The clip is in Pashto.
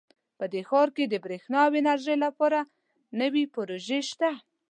په دې ښار کې د بریښنا او انرژۍ لپاره نوي پروژې شته